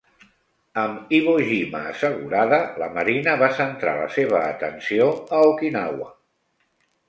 Amb Iwo Jima assegurada, la Marina va centrar la seva atenció a Okinawa.